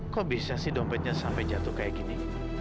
kok bisa sih dompetnya sampai jatuh kayak gini